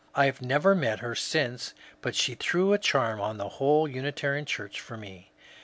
I have never met her since, but she threw a charm on the whole Unitarian Church for me.